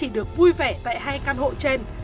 được vui vẻ tại hai căn hộ trên